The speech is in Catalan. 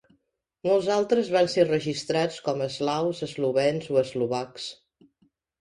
Molts altres van ser registrats com eslaus, eslovens o eslovacs.